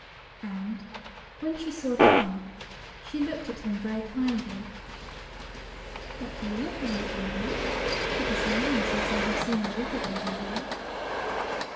And, when she saw Tom, she looked at him very kindly. "What do you want, my little man? It is long since I have seen a water baby here."